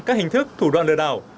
các hình thức thủ đoạn lừa đảo